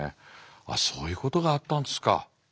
ああそういうことがあったんですか。